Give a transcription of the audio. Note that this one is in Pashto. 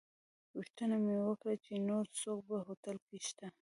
پوښتنه مې وکړه چې نور څوک په هوټل کې شته.